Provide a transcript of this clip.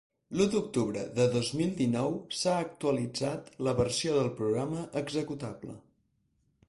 L'u d'octubre de dos mil dinou s'ha actualitzat la versió del programa executable.